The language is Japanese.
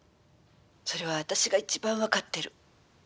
それは私が一番分かってる。